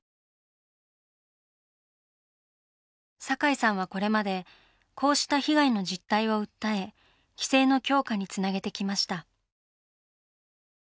堺さんはこれまでこうした被害の実態を訴え規制の強化につなげてきました。